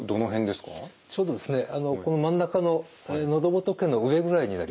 ちょうどこの真ん中の喉仏の上ぐらいになりますね。